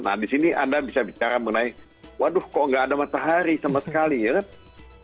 nah di sini anda bisa bicara mengenai waduh kok nggak ada matahari sama sekali ya kan